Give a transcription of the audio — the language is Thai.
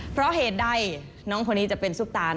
เพราะเหตุใดน้องคนนี้จะเป็นซุปตา